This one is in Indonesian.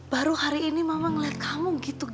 baru hari ini mama ngelihat kamu gitu